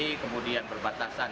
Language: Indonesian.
jadi kemudian berbatasan